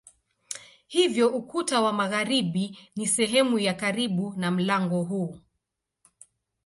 Hivyo ukuta wa magharibi ni sehemu ya karibu na mlango huu.